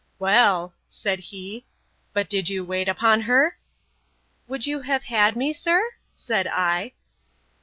Well, said he, but did you wait upon her? Would you have had me, sir? said I.